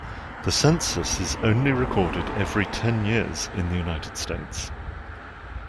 The census is only recorded every ten years in the United States.